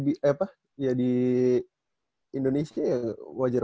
kalau di indonesia ya wajar wajar ya